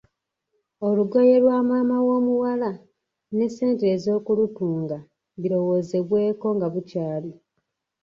"Olugoye lwa maama w’omuwala, n’essente ez’okulutunga birowoozebweko nga bukyali."